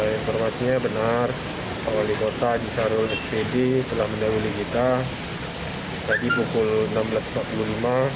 informasinya benar wali kota di syahrul riau selama daun ini kita tadi pukul enam belas empat puluh lima